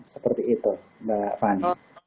seperti itu mbak fani